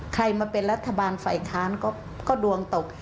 ใครมาเป็นรัฐบาลฝ่ายค้านก็ดวงตก